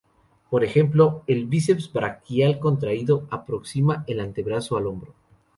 Por ejemplo, el bíceps braquial contraído aproxima el antebrazo al hombro.